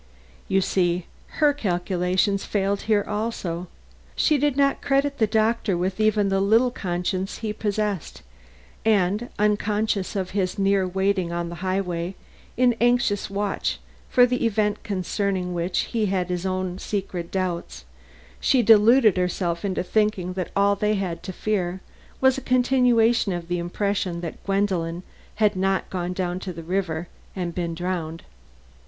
You see her calculations failed here also. She did not credit the doctor with even the little conscience he possessed, and, unconscious of his near waiting on the highway in anxious watch for the event concerning which he had his own secret doubts, she deluded herself into thinking that all they had to fear was a continuation of the impression that Gwendolen had not gone down to the river and been drowned.